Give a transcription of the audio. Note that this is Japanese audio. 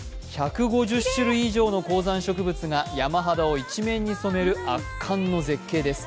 １５０種類以上の高山植物が山肌を一面に染める圧巻の絶景です。